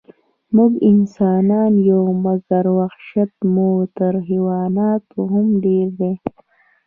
موږ انسانان یو، مګر وحشت مو تر حیواناتو هم ډېر ده.